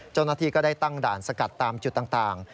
เจ้าหน้าที่ก็ได้ตั้งด่านสกัดตามจุดต่าง